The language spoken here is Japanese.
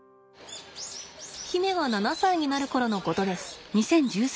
媛が７歳になる頃のことです。